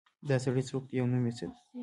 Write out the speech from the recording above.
دا سړی څوک ده او نوم یې څه ده